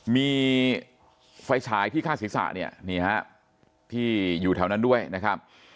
มีไฟฉายที่ฆ่าศีรษะเนี่ยนี่ฮะที่อยู่แถวนั้นด้วยนะครับ